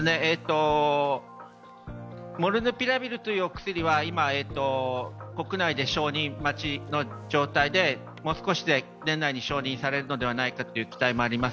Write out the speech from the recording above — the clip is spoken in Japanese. モルヌピラビルというお薬は今、国内で承認待ちの状態でもう少しで年内に承認されるのではないかという期待もあります